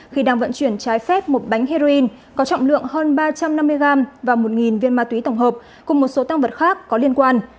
khi đang vận chuyển trái phép một bánh heroin có trọng lượng hơn ba trăm năm mươi gram và một viên ma túy tổng hợp cùng một số tăng vật khác có liên quan